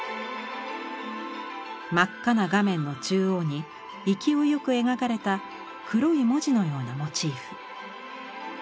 真っ赤な画面の中央に勢いよく描かれた黒い文字のようなモチーフ。